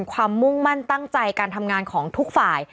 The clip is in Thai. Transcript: มุ่งมั่นตั้งใจการทำงานของทุกฝ่าย